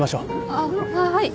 あっはい。